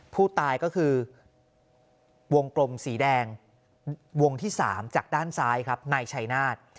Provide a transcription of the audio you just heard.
ผู้ตายก็คือวงกลมสีแดงวงที่๓จากด้านซ้ายครับนายชัยนาฏ